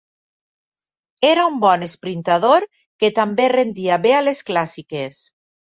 Era un bon esprintador que també rendia bé a les clàssiques.